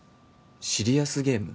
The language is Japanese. シリアスゲーム？